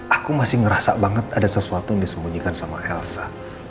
aku masih ngerasa banget ada sesuatu yang disembunyikan sama elsa